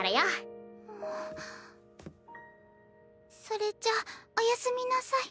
それじゃあおやすみなさい。